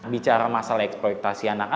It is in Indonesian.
bicara masalah eksploitasi